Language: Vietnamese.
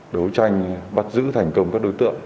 đấu tranh bắt giữ thành công các đối tượng